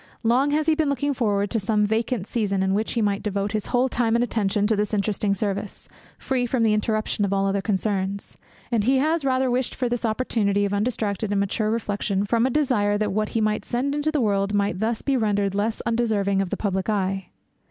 Long has he been looking forward to some vacant season, in which he might devote his whole time and attention to this interesting service, free from the interruption of all other concerns; and he has the rather wished for this opportunity of undistracted and mature reflection, from a desire that what he might send into the world might thus be rendered less undeserving of the public eye.